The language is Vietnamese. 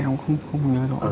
em cũng không nhớ được